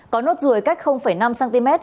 có nốt ruồi cách năm cm